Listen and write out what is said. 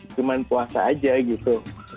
cuma puasa aja gitu